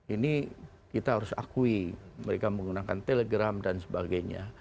ini kita harus akui mereka menggunakan telegram dan sebagainya